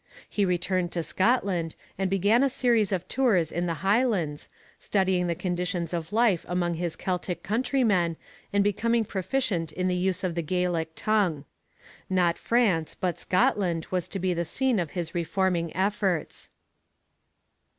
He returned to Scotland and began a series of tours in the Highlands, studying the conditions of life among his Celtic countrymen and becoming proficient in the use of the Gaelic tongue. Not France but Scotland was to be the scene of his reforming efforts.